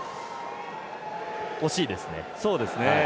惜しいですね。